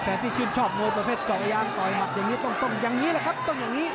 แฟนที่ชื่นชอบโอเพชรจอกยางปล่อยมัดอย่างนี้ต้นต้นต้นอย่างนี้แหละครับต้นอย่างนี้